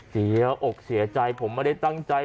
เสียอกเสียใจผมไม่ได้ตั้งใจ